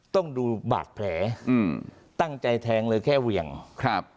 ต้องดูบาดแผลอืมตั้งใจแทงเลยแค่เหวี่ยงครับ